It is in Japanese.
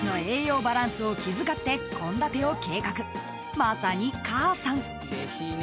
［まさに母さん］